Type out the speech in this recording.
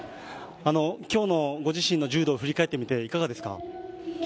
今日のご自身の柔道を振り返ってみて、いかがでしたか？